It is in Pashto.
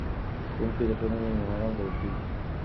ښوونکي د ټولنې معماران بلل کیږي.